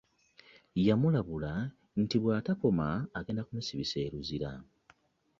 Yamulabul nti bwatakoma agenda kumusibisa eruzira .